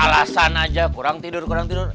alasan aja kurang tidur kurang tidur